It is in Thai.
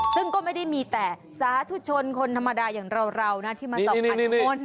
ซึ่งก็ไม่ได้มีแต่สาธุชนคนธรรมดาอย่างเรานะที่มาสอบขันน้ำมนต์